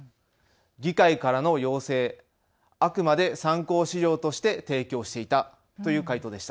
議会からの要請、あくまで参考資料として提供をしていたという回答です。